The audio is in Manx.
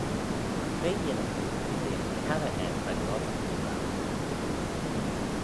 Cre yinnagh oo dy beagh carrey ayd va gobbragh rour?